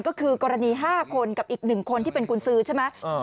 ก็คือกรณี๕คนกับอีก๑คนที่เป็นกุญสือใช่ไหม